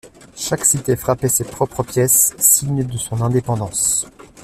Chaque cité frappait ses propres pièces, signe de son indépendance.